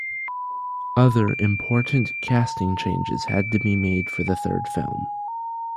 Other important casting changes had to be made for the third film.